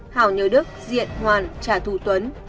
hảo nhớ đức diện hoàn trả thù tuấn